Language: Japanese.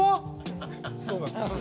そうなんです